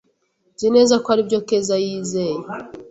Nzi neza ko aribyo Keza yizeye.